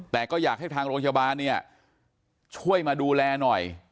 แต่ก็อยากให้ทางโรงพยาบาลเนี่ยช่วยมาดูแลหน่อย